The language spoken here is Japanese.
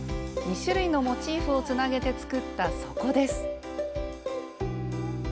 ２種類のモチーフをつなげて作った底です。